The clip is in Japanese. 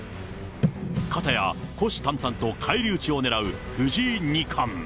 片や虎視眈々と返り討ちを狙う藤井二冠。